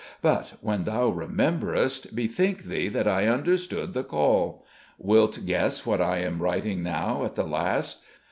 But when thou rememberest, bethink thee that I understood the call. Wilt guess what I am writing, now at the last?